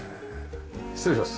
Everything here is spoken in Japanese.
失礼します。